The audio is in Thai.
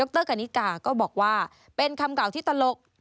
รกานิกาก็บอกว่าเป็นคำเก่าที่ตลก